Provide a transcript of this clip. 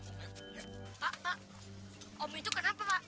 pak om itu kenapa pak